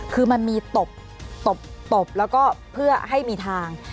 คือมันมีตบตบแล้วก็เพื่อให้มีทาง